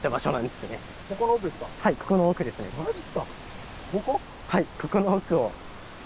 はいここの奥を。